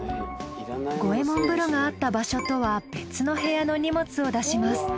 五右衛門風呂があった場所とは別の部屋の荷物を出します。